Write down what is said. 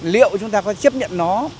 liệu chúng ta có chấp nhận nó